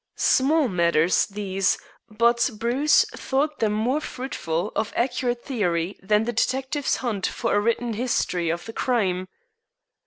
Small matters these, but Bruce thought them more fruitful of accurate theory than the detective's hunt for a written history of the crime!